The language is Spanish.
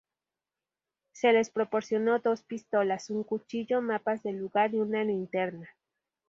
Se les proporcionó dos pistolas, un cuchillo, mapas del lugar y una linterna.